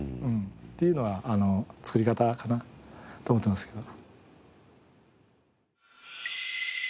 っていうのは作り方かなと思ってますけど。